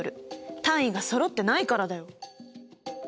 単位がそろってないからだよ！